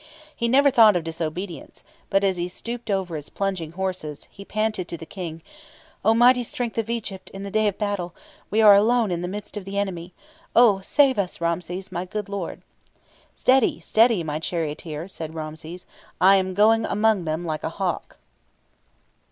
He never thought of disobedience, but, as he stooped over his plunging horses, he panted to the King: "O mighty strength of Egypt in the day of battle, we are alone in the midst of the enemy. O, save us, Ramses, my good lord!" "Steady, steady, my charioteer," said Ramses, "I am going among them like a hawk!"